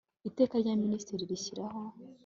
iteka rya minisitiri rishyiraho